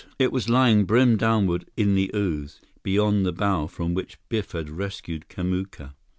It was lying brim downward in the ooze, beyond the bough from which Biff had rescued Kamuka.